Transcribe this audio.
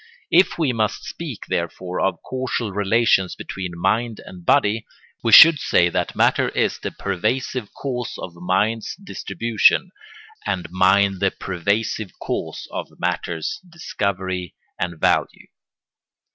If we must speak, therefore, of causal relations between mind and body, we should say that matter is the pervasive cause of mind's distribution, and mind the pervasive cause of matter's discovery and value.